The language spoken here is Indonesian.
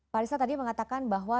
pak risa tadi mengatakan bahwa